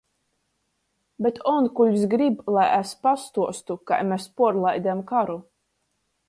Bet onkuļs gryb, lai es pastuostu, kai mes puorlaidem karu.